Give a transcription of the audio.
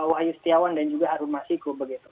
wahyu setiawan dan juga harun masiku